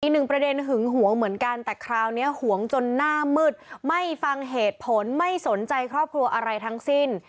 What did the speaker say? อีกหนึ่งประเด็นหึงหวงเหมือนกันแต่คราวนี้หวงจนหน้ามืดไม่ฟังเหตุผลไม่สนใจครอบครัวอะไรทั้งสิ้น